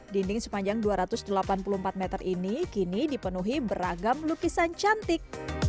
dinding sepanjang dua ratus delapan puluh empat meter ini kini dipenuhi beragam lukisan cantik